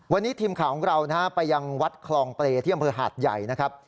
วันนี้ทีมข่าวของเราไปยังวัดคลองเปรย์ที่อำเภอหาดใหญ่นะครับ